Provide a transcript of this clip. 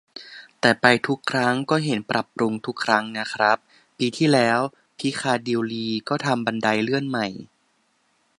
แต่ไปทุกครั้งก็เห็นปรับปรุงทุกครั้งนะครับ ปีที่แล้วพิคาดิลลีก็ทำบันไดเลื่อนใหม่